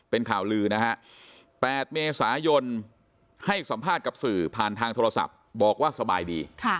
เป็นข่าวลือนะฮะ๘เมษายนให้สัมภาษณ์กับสื่อผ่านทางโทรศัพท์บอกว่าสบายดี